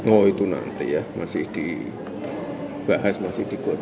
oh itu nanti ya masih dibahas masih digotok lagi tunggu aja ya